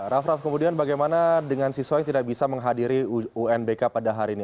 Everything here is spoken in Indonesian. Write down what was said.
raff raff kemudian bagaimana dengan siswa yang tidak bisa menghadiri unbk pada hari ini